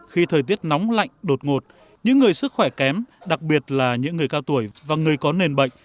khi thời tiết nóng lạnh đột ngột những người sức khỏe kém đặc biệt là những người cao tuổi và người có nền bệnh